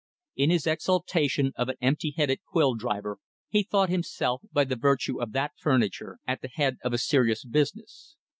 In his exultation of an empty headed quill driver, he thought himself, by the virtue of that furniture, at the head of a serious business.